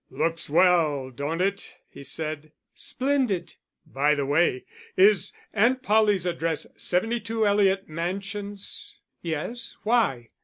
"Looks well, don't it?" he said. "Splendid!" "By the way, is Aunt Polly's address 72 Eliot Mansions?" "Yes. Why?"